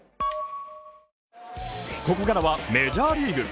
ここからはメジャーリーグ。